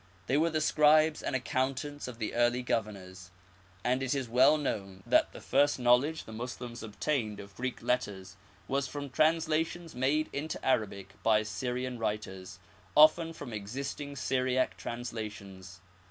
They were the scribes and accountants of the early governors, and it is well known that the first knowledge the Moslems obtained of Greek letters was from translations made into Arabic by Syrian writers, often from existing Syriac translations.